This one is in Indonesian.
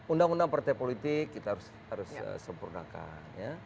undang undang partai politik kita harus sempurnakan